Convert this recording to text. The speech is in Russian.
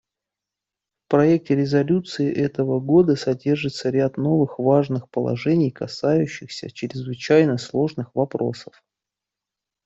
В проекте резолюции этого года содержится ряд новых важных положений, касающихся чрезвычайно сложных вопросов.